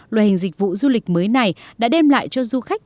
loại hình dịch vụ du lịch mới này đã đem lại cho du khách